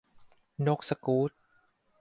นกสกู๊ต